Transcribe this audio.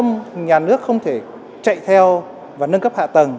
nhà nước không thể chạy theo và nâng cấp hạ tầng